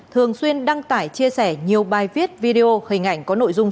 thường xuyên đăng tải chia sẻ nhiều bài viết video hình ảnh có nội dung